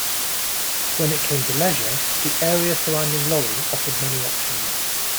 When it came to leisure, the area surrounding Loring offered many options.